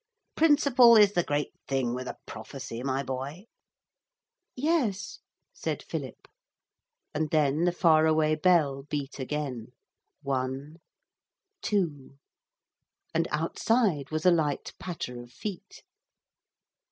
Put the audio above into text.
Principle is the great thing with a prophecy, my boy.' 'Yes,' said Philip. And then the far away bell beat again. One, two. And outside was a light patter of feet.